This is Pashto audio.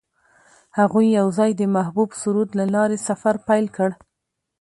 هغوی یوځای د محبوب سرود له لارې سفر پیل کړ.